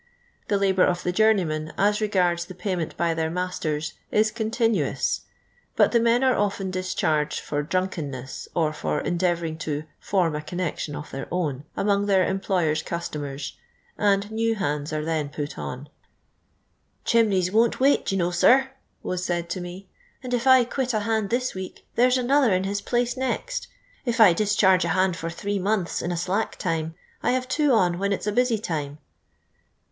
The labour of the joiirnoynien. a* regards the [wynifut by their niasiers. i* .••uj '/../'<.#/.», but the men are olien discharged lor drunkenness '*r f"f ende.ivourin.; to'Morm a connection <»f their i>wr. " among their einiM>yei>' cns^iniiKis. and now hands are then ])Ut on. " Ciiinineys won't wail, you know, sir," was ;iait'. to ]>ii\ *' and if I quit a hand this we«'k. there V ai.'>tiier in his place next. If I dischargi! a haiui for thivcr months in a sl.wk time, I have two on v. hen it's a busy time."